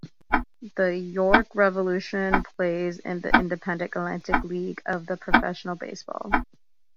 The York Revolution plays in the independent Atlantic League of Professional Baseball.